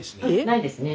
ないですね。